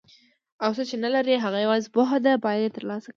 او څه چې نه لري هغه یوازې پوهه ده چې باید یې ترلاسه کړي.